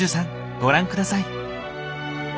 ご覧下さい。